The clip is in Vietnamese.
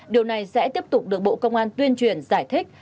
điều này sẽ tiếp tục được bộ công an tuyên truyền giải thích